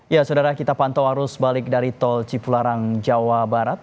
ya saudara kita pantau arus balik dari tol cipularang jawa barat